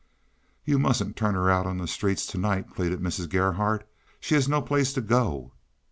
"You mustn't turn her out on the streets to night," pleaded Mrs. Gerhardt. "She has no place to go."